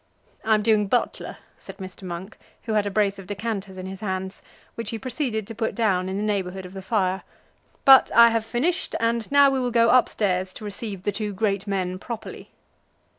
"I am doing butler," said Mr. Monk, who had a brace of decanters in his hands, which he proceeded to put down in the neighbourhood of the fire. "But I have finished, and now we will go up stairs to receive the two great men properly."